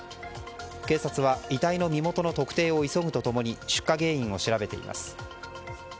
警察は遺体の身元の特定を急ぐと共に出火原因を調べています。